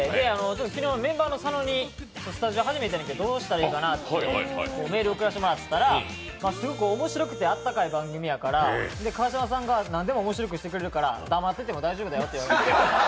昨日、メンバーの佐野にスタジオ初めてねんけどどうしたらいいかなってメールを送らせてもらったら、すごく面白くてあったかい番組やから、川島さんがなんでも面白くしてくれるから黙ってても大丈夫だよって言ってくれて。